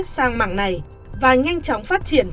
sang mạng này và nhanh chóng phát triển